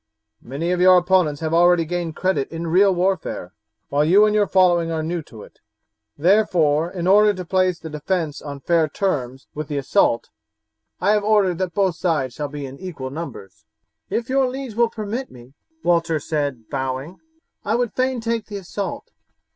Many of your opponents have already gained credit in real warfare, while you and your following are new to it. Therefore, in order to place the defence on fair terms with the assault, I have ordered that both sides shall be equal in numbers." "If your liege will permit me," Walter said bowing, "I would fain take the assault.